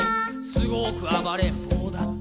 「すごくあばれんぼうだって」